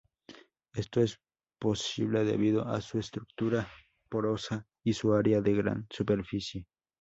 Esto es posible debido a su estructura porosa y su área de gran superficie.